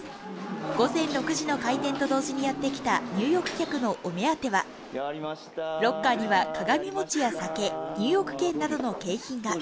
午前６時の開店と同時にやって来た入浴客のお目当てはロッカーには鏡餅や酒、入浴券などの景品が。